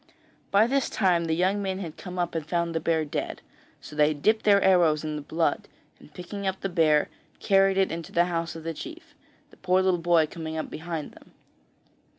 By this time the young men had come up and found the bear dead, so they dipped their arrows in the blood, and picking up the bear, carried it into the house of the chief, the poor little boy coming behind them.